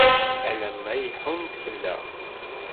Alamma iḥunn-d fell-aɣ.